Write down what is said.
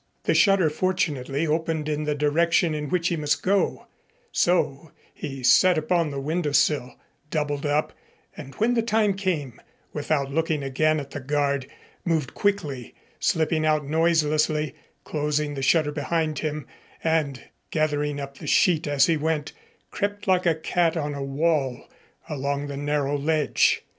The shutter fortunately opened in the direction in which he must go, so he sat upon the window sill, doubled up, and when the time came, without looking again at the guard, moved quickly, slipping out noiselessly, closing the shutter behind him and, gathering up the sheet as he went, crept like a cat on a wall along the narrow ledge.